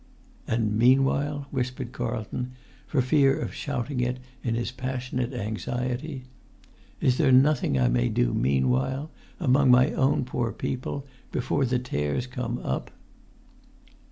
"And meanwhile?" whispered Carlton, for fear of[Pg 75] shouting it in his passionate anxiety. "Is there nothing I may do meanwhile—among my own poor people—before the tares come up?"